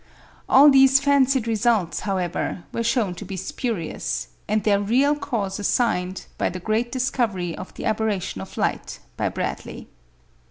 All these fancied results however, were shown to be spurious, and their real cause assigned, by the great discovery of the aberration of light by Bradley.